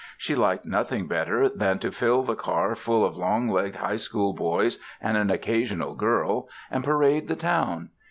She liked nothing better than to fill the car full of long legged High School boys and an occasional girl, and parade the town.